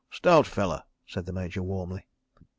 "Stout fella," said the Major warmly.